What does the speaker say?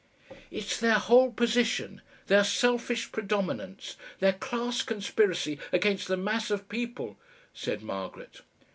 "It's their whole position, their selfish predominance, their class conspiracy against the mass of people," said Margaret.